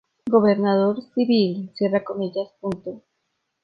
Gobernador Civil".